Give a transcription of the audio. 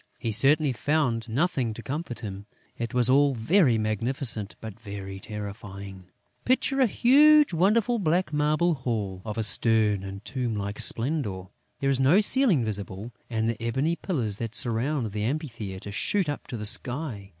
He certainly found nothing to comfort him. It was all very magnificent, but very terrifying. Picture a huge and wonderful black marble hall, of a stern and tomb like splendour. There is no ceiling visible; and the ebony pillars that surround the amphitheatre shoot up to the sky.